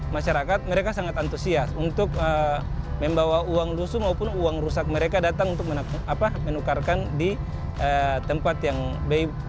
masyarakat mereka sangat antusias untuk membawa uang lusuh maupun uang rusak mereka datang untuk menukarkan di tempat yang baik